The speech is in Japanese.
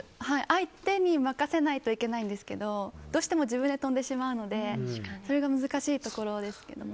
相手に任せないといけないんですけどどうしても自分で跳んでしまうのでそれが難しいところですが。